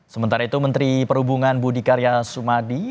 sementara itu menteri perhubungan budi karya sumadi